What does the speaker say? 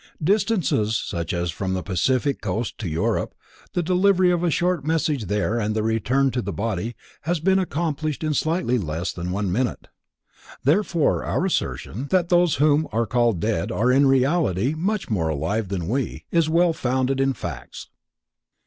Distances such as from the Pacific Coast to Europe, the delivery of a short message there and the return to the body has been accomplished in slightly less than one minute. Therefore our assertion, that those whom we call dead are in reality much more alive than we, is well founded in facts.